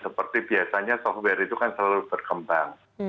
seperti biasanya software itu kan selalu berkembang